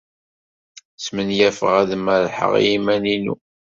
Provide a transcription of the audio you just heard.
Smenyafeɣ ad merrḥeɣ i yiman-inu.